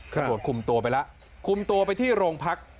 ตำรวจคุมตัวไปแล้วคุมตัวไปที่โรงพัก